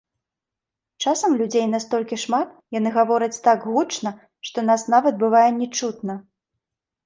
Часам людзей настолькі шмат, яны гавораць так гучна, што нас нават бывае не чутна.